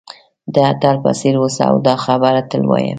د اتل په څېر اوسه او دا خبره تل وایه.